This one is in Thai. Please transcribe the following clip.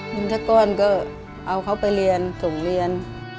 มินทรกรก็เอาเขาไปเรียนส่งเรียน